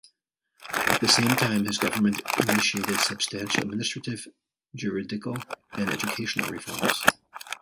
At the same time his government initiated substantial administrative, juridical, and educational reforms.